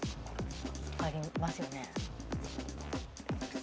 分かりますよね？